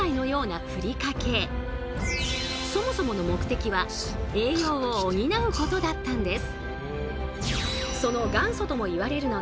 そもそもの目的は栄養を補うことだったんです。